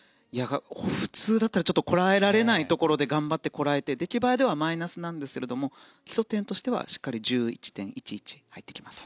普通だったらこらえられないところで頑張ってこらえて出来栄えではマイナスなんですが基礎点としてはしっかり１１．１１入ってきます。